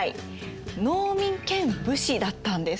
農民兼武士だったんです。